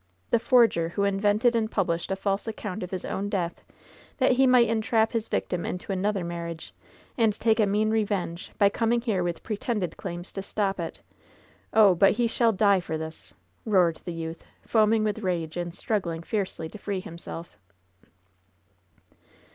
The forger, who invented and published a false account of his own death that he might entrap his victim into another marriage, and take a mean revenge by coming here with pretended claims to stop it ! Oh ! but he shall 88 LOVE'S BITTEREST CUP die for this I'* roared the youth, foaming with rage and struggling fiercely to free himself.